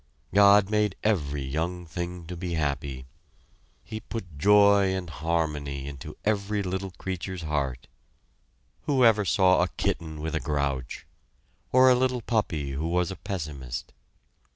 God made every young thing to be happy. He put joy and harmony into every little creature's heart. Who ever saw a kitten with a grouch? Or a little puppy who was a pessimist?